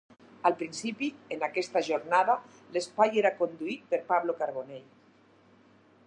Al principi, en aquesta jornada l'espai era conduït per Pablo Carbonell.